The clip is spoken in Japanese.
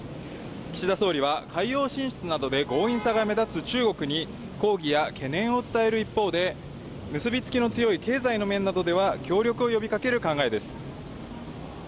岸田総理は、海洋進出などで強引さが目立つ中国に、抗議や懸念を伝える一方で、結び付きの強い経済の面などでは協力を呼びかける考えです。